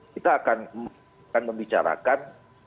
kita akan membicarakan